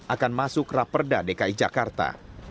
akan masuk raperda dki jakarta